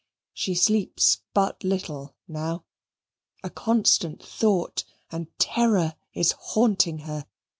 She sleeps but little now. A constant thought and terror is haunting her.